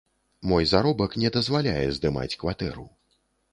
Мой заробак не дазваляе здымаць кватэру.